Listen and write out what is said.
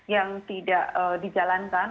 yang tidak dijalankan